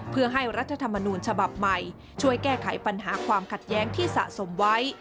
เพื่อให้รัฐธรรมนูญฉบับใหม่ช่วยแก้ไขปัญหาความขัดแย้งที่สะสมไว้